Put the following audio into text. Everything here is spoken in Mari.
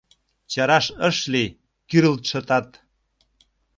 Чараш ыш лий — кӱрылтшӧ тат.